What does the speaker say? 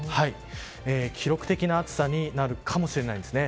記録的な暑さになるかもしれないですね。